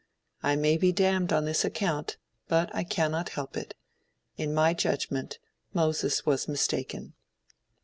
I may be damned on this account, but I cannot help it. In my judgment, Moses was mistaken.